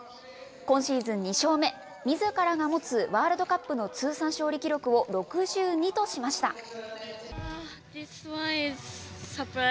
今シーズン２勝目、みずからが持つワールドカップの通算勝利記録を６２としました。